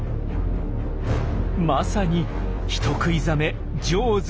まさに人食いザメ「ジョーズ」